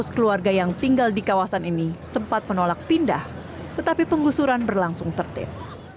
dua ratus keluarga yang tinggal di kawasan ini sempat menolak pindah tetapi penggusuran berlangsung tertib